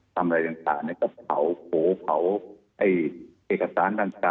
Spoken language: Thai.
ทำอะไรต่างเนี่ยก็เผาโผล่เผาเอกสารต่าง